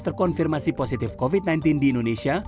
terkonfirmasi positif covid sembilan belas di indonesia